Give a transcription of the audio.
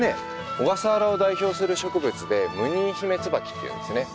小笠原を代表する植物でムニンヒメツバキっていうんですね。